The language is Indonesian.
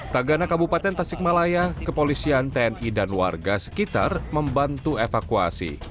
tagana kabupaten tasikmalaya kepolisian tni dan warga sekitar membantu evakuasi